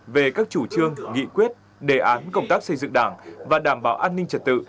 về các chủ trương nghị quyết đề án công tác xây dựng đảng và đảm bảo an ninh trật tự